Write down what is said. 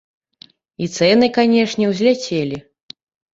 І цэны, канешне, узляцелі.